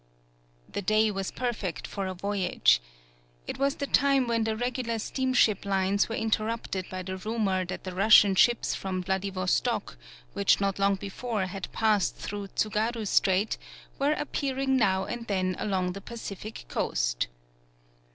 The day was perfect for a voyage. It was the time when the regular steam ship lines were interrupted by the rumor that the Russian ships from Vladivos tock, which not long before had passed through Tsugaru Strait, were appearing now and then along the Pacific coast.